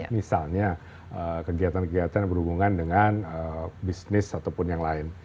misalnya kegiatan kegiatan yang berhubungan dengan bisnis ataupun yang lain